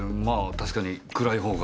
確かに暗い方が。